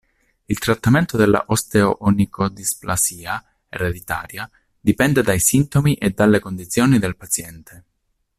Il trattamento della Osteo-onicodisplasia ereditaria dipende dai sintomi e dalle condizioni del paziente.